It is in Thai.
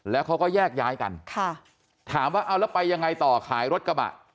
แล้วเขาก็แยกย้ายกันค่ะถามว่าเอาแล้วไปยังไงต่อขายรถกระบะ